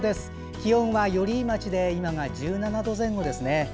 気温は寄居町で１７度前後ですね。